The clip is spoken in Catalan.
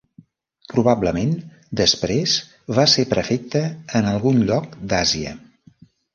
Probablement després va ser prefecte en algun lloc d'Àsia.